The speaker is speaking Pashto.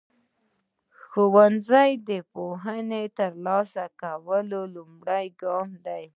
ښوونځی د پوهې ترلاسه کولو لومړنی قدم دی.